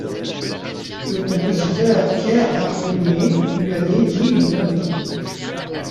Le compositeur Pierre Bartholomée lui a dédié une œuvre.